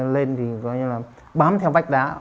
lên thì gọi như là bám theo vách đá